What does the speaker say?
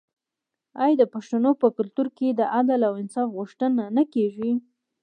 آیا د پښتنو په کلتور کې د عدل او انصاف غوښتنه نه کیږي؟